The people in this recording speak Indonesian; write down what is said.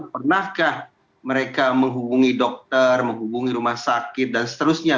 pernahkah mereka menghubungi dokter menghubungi rumah sakit dan seterusnya